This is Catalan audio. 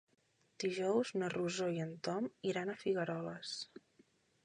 Dijous na Rosó i en Tom iran a Figueroles.